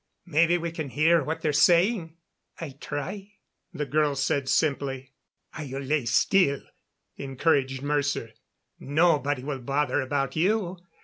Maybe we can hear what they're saying." "I try," the girl said simply. "I'll lay still," encouraged Mercer. "Nobody will bother about you.